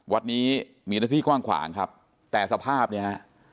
วัดนี้มีหน้าที่กว้างขวางครับแต่สภาพเนี่ยฮะ